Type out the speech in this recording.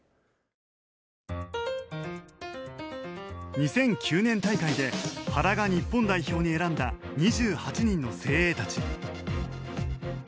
２００９年大会で原が日本代表に選んだ２８人の精鋭たち。